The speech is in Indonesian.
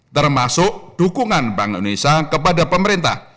termasuk dukungan bank indonesia kepada pemerintah